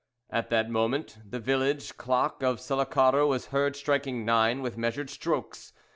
At that moment the village clock of Sullacaro was heard striking nine with measured strokes.